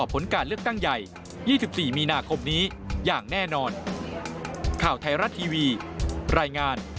โปรดติดตามตอนต่อไป